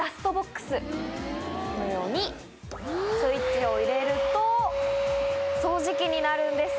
このようにスイッチを入れると掃除機になるんです。